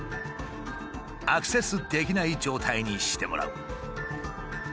アクセスできない状態にしてもらう。